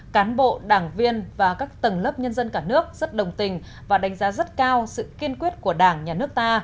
cán bộ đảng viên và các tầng lớp nhân dân cả nước rất đồng tình và đánh giá rất cao sự kiên quyết của đảng nhà nước ta